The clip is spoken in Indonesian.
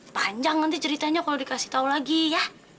panjang nanti ceritanya kalau dikasih tahu lagi ya